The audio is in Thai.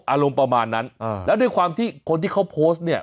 อารมณ์ประมาณนั้นแล้วด้วยความที่คนที่เขาโพสต์เนี่ย